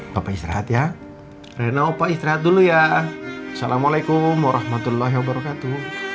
papa istirahat ya rena opa istirahat dulu ya assalamualaikum warahmatullahi wabarakatuh